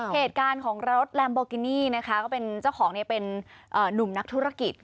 เหตุการณ์ของรถลามโบรกินี่นะคะเจ้าของเนี่ยเป็นหนุ่มนักธุรกิจ